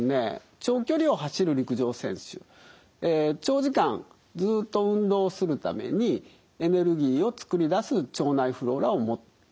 長距離を走る陸上選手長時間ずっと運動するためにエネルギーを作り出す腸内フローラを持って。